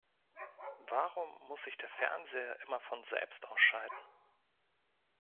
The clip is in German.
Warum muss sich der Fernseher immer von selbst ausschalten?